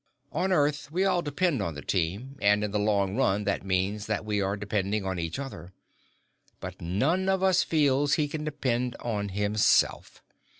On Earth, we all depend on the Team, and, in the long run, that means that we are depending on each other but none of us feels he can depend on himself.